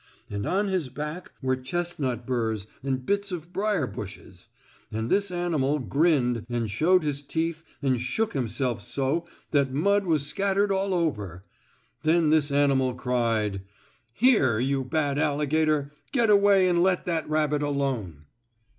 And on his back were chestnut burrs and bits of briar bushes; and this animal grinned and showed his teeth and shook himself so that mud was scattered all over. Then this animal cried: "Here, you bad alligator! Get away and let that rabbit alone!"